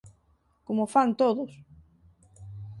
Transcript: Como fan todos.